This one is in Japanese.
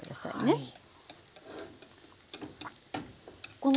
はい。